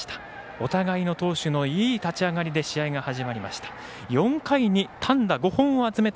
お互いの投手のいい立ち上がりで試合が始まりました。